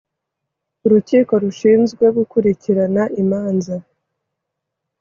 urukiko rushinzwe gukurikirana imanza